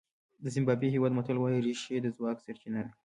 د زیمبابوې هېواد متل وایي رېښې د ځواک سرچینه ده.